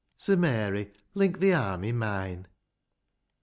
So, Mary, link thi arm i' mine.